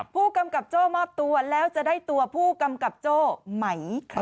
ผู้กำกับโจ้มอบตัวแล้วจะได้ตัวผู้กำกับโจ้ไหม